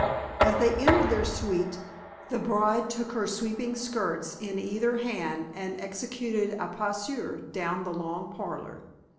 As they entered their suite the bride took her sweeping skirts in either hand and executed a pas seul down the long parlor.